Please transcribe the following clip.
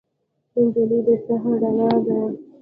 نجلۍ د سحر رڼا ده.